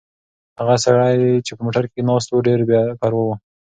هغه سړی چې په موټر کې ناست و ډېر بې پروا و.